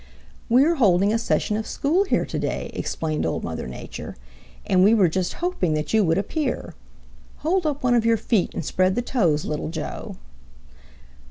"We are holding a session of school here today," explained Old Mother Nature. "And we were just hoping that you would appear. Hold up one of your feet and spread the toes, Little Joe."